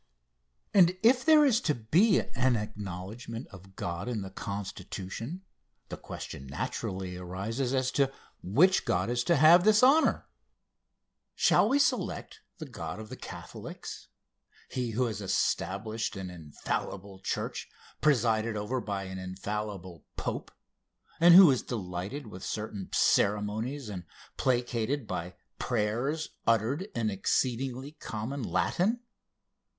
And if there is to be an acknowledgment of God in the Constitution, the question naturally arises as to which God is to have this honor. Shall we select the God of the Catholics he who has established an infallible church presided over by an infallible pope, and who is delighted with certain ceremonies and placated by prayers uttered in exceedingly common Latin?